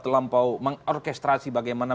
terlampau mengorkestrasi bagaimana